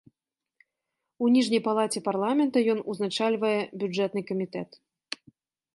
У ніжняй палаце парламента ён узначальвае бюджэтны камітэт.